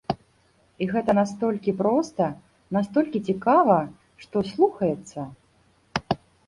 І гэта настолькі проста, настолькі цікава, што слухаецца!